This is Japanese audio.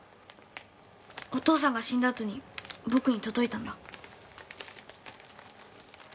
お父さんが死んだあとに僕に届いたんだ。